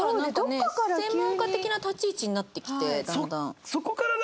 どこかからなんかね専門家的な立ち位置になってきてだんだん。